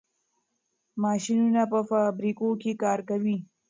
ماشینونه په فابریکو کې کار کوي.